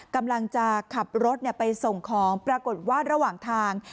กำลังจะขับรถไปส่งของปรากฏว่าระหว่างทาง